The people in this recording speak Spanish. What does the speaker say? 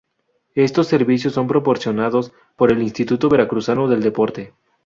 Estos servicios son proporcionados por el Instituto Veracruzano del Deporte.